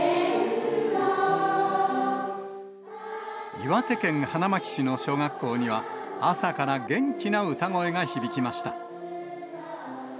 岩手県花巻市の小学校には、朝から元気な歌声が響きました。